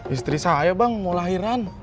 istri saya bang mau lahiran